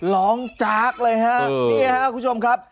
ร้องจากเลยฮะนี่ฮะคุณผู้ชมครับ